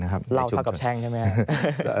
เล่าเท่ากับช่างใช่ไหมครับ